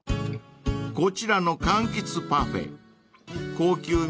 ［こちらの柑橘パフェ高級